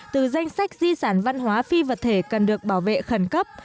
từ danh sách di sản văn hóa phi vật thể cần được bảo vệ khẩn cấp